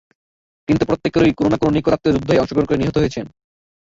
কিন্তু প্রত্যেকেরই কোন না কোন নিকট আত্মীয় যুদ্ধে অংশগ্রহণ করে নিহত হয়েছে।